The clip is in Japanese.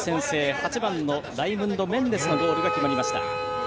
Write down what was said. ８番のライムンド・メンデスのゴールが決まりました。